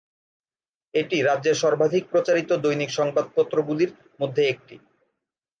এটি রাজ্যের সর্বাধিক প্রচারিত দৈনিক সংবাদপত্রগুলির মধ্যে একটি।